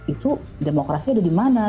itu demokrasi ada di mana